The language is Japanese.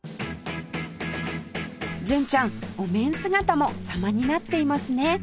純ちゃんお面姿も様になっていますね